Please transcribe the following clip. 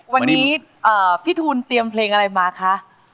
วันนี้พี่ทูลเตรียมเพลงอะไรมาคะ